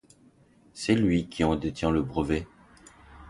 c’est lui qui en détient le brevet.